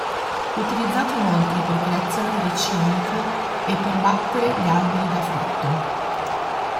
Utilizzato inoltre per creazione di recinti, e per battere gli alberi da frutto.